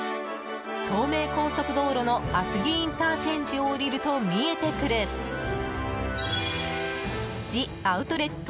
東名高速道路の厚木ＩＣを下りると見えてくるジアウトレット